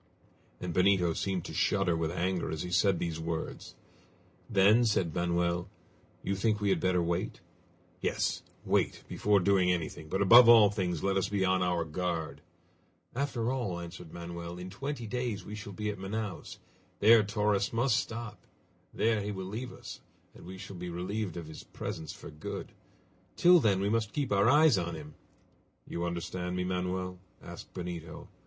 And Benito seemed to shudder with anger as he said these words. "Then," said Manoel, "you think we had better wait?" "Yes; wait, before doing anything, but above all things let us be on our guard!" "After all," answered Manoel, "in twenty days we shall be at Manaos. There Torres must stop. There he will leave us, and we shall be relieved of his presence for good! Till then we must keep our eyes on him!" "You understand me, Manoel?" asked Benito.